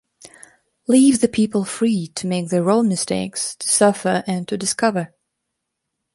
Leave the people free to make their own mistakes, to suffer and to discover.